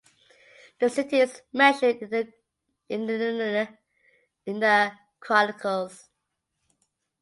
The city is mentioned in the chronicles.